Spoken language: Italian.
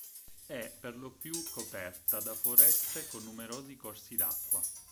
È per lo più coperta da foreste con numerosi corsi d'acqua.